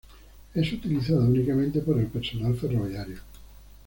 Es utilizado únicamente por el personal ferroviario.